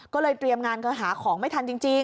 ก็เลยเตรียมงานคือหาของไม่ทันจริง